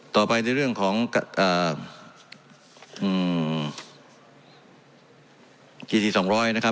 ต่อไปในเรื่องของอ่าอือจีสีสองร้อยนะครับ